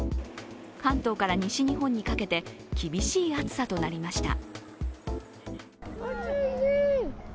関東から西日本にかけて厳しい暑さとなりました。